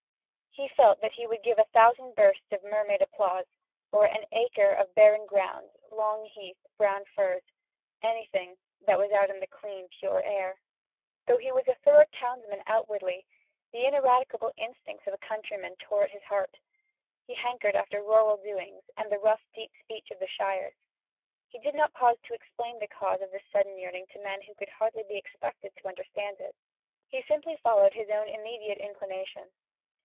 He felt that he would give a thousand bursts of Mermaid applause, "for an acre of barren ground, long heath, brown furze," anything that was out in the clean pure air. Though he was a thorough townsman outwardly, the ineradicable instincts of a countryman tore at his heart. He hankered after rural doings and the rough deep speech of the shires. He did not pause to explain the cause of this sudden yearning to men who could hardly be expected to understand it. He simply followed his own immediate inclination.